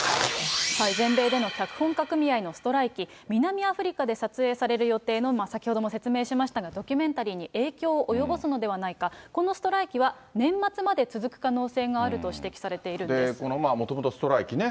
全米での脚本家組合でのストライキ、南アフリカで撮影される予定の、先ほども説明しましたが、ドキュメンタリーに影響を及ぼすのではないか、このストライキは年末まで続く可能性があると指摘されているんでこのもともとストライキね。